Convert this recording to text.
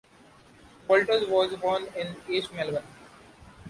Walters was born in East Melbourne.